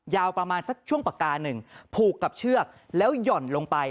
ยาวประมาณสักช่วงปากกาหนึ่งผูกกับเชือกแล้วหย่อนลงไป